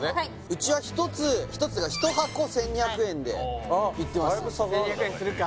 うちは１つ１つというか１箱１２００円でいってますはい１２００円するか？